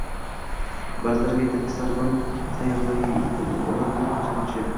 Ba’zilarga, aytaylik, sarbon-u sayyohlarga — ular yo‘l ko‘rsatuvchi